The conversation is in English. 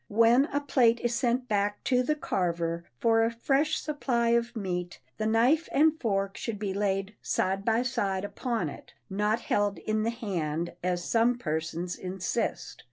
When a plate is sent back to the carver for a fresh supply of meat, the knife and fork should be laid side by side upon it, not held in the hand, as some persons insist.